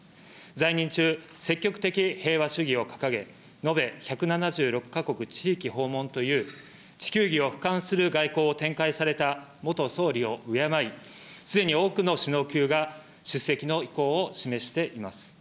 在任中、積極的平和主義を掲げ、延べ１７６か国地域訪問という、地球儀をふかんする外交を展開された元総理を敬い、すでに多くの首脳級が出席の意向を示しています。